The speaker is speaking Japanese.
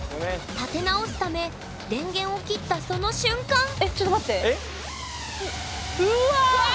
立て直すため電源を切ったその瞬間！